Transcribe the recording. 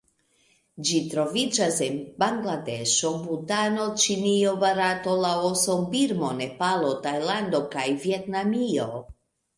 Ĝi troviĝas en Bangladeŝo, Butano, Ĉinio, Barato, Laoso, Birmo, Nepalo, Tajlando kaj Vjetnamio.